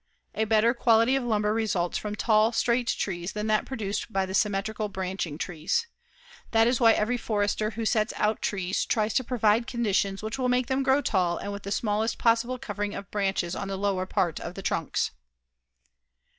A better quality of lumber results from tall straight trees than that produced by the symmetrical, branching trees. That is why every forester who sets out trees tries to provide conditions which will make them grow tall and with the smallest possible covering of branches on the lower part of the trunks.